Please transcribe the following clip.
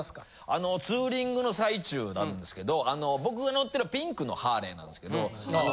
あのツーリングの最中なんですけどあの僕が乗ってるピンクのハーレーなんですけど。